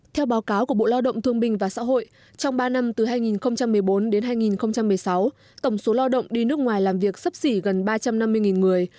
theo báo cáo của bộ lao động thương binh và xã hội trong ba năm từ hai nghìn một mươi bốn đến hai nghìn một mươi sáu tổng số lao động đi nước ngoài làm việc sấp xỉ gần ba trăm năm mươi người